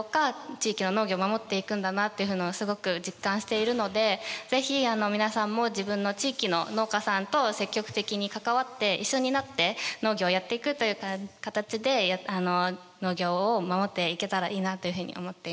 地域の農業を守っていくんだなっていうのをすごく実感しているので是非皆さんも自分の地域の農家さんと積極的に関わって一緒になって農業をやっていくという形で農業を守っていけたらいいなというふうに思っています。